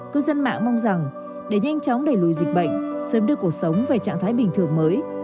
cư dân mạng mong rằng để nhanh chóng đẩy lùi dịch bệnh sớm đưa cuộc sống về trạng thái bình thường mới